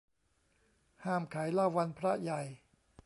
ห้ามขายเหล้าวันพระใหญ่